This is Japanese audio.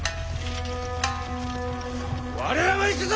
我らも行くぞ！